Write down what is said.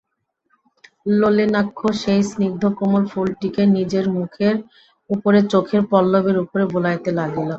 নলিনাক্ষ সেই স্নিগ্ধকোমল ফুলটিকে নিজের মুখের উপরে, চোখের পল্লবের উপরে বুলাইতে লাগিল!